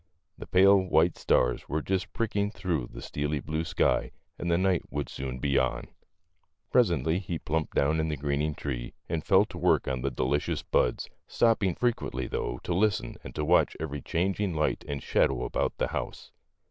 The pale white stars were just pricking through the steely blue sky and the night would soon be on. Presently he plumped down in the greening tree and fell to work on the delicious buds, stopping frequently, though, to listen and to watch every changing light and shadow about the house.